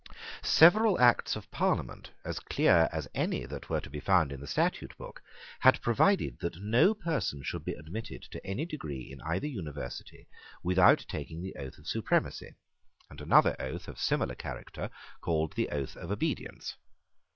Several Acts of Parliament, as clear as any that were to be found in the statute book, had provided that no person should be admitted to any degree in either University without taking the oath of supremacy, and another oath of similar character called the oath of obedience.